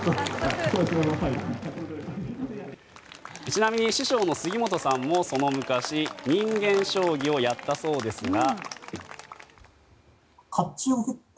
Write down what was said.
ちなみに師匠の杉本さんもその昔人間将棋をやったそうですが。